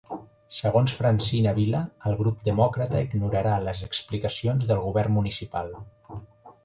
Segons Francina Vila, el Grup Demòcrata ignorarà les explicacions del govern municipal.